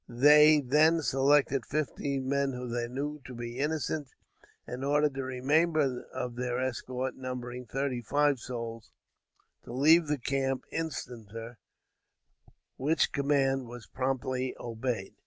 They then selected fifteen men whom they knew to be innocent, and ordered the remainder of their escort, numbering thirty five souls, to leave their camp instanter, which command was promptly obeyed.